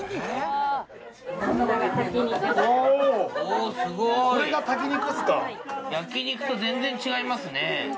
おおすごい焼肉と全然違いますね